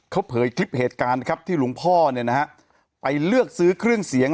เขาเผยคลิปเหตุการณ์นะครับที่หลวงพ่อเนี่ยนะฮะไปเลือกซื้อเครื่องเสียง